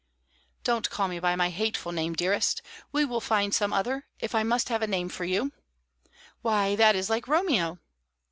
"Don't call me by my hateful name, dearest. We will find some other, if I must have a name for you." "Why, that is like Romeo!"